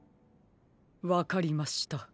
わかりました。